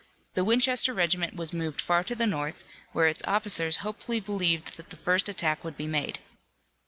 The Winchester regiment was moved far to the north, where its officers hopefully believed that the first attack would be made.